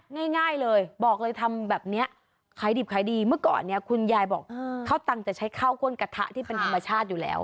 ง่ายเลยบอกเลยทำแบบนี้ขายดิบขายดีเมื่อก่อนเนี่ยคุณยายบอกข้าวตังค์จะใช้ข้าวก้นกระทะที่เป็นธรรมชาติอยู่แล้ว